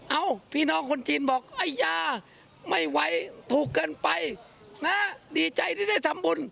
พี่น้องคนจีนบอกไอ้ยาไม่ไหวถูกเกินไปนะดีใจที่ได้ทำบุญ